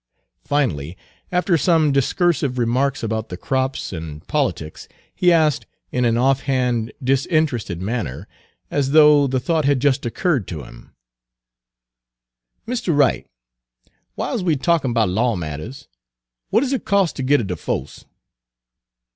Finally, after some discursive remarks about the crops and politics, he asked, in an offhand, disinterested manner, as though the thought had just occurred to him: Page 217 "Mistah Wright, w'ile's we're talkin' 'bout law matters, what do it cos' ter git a defoce?"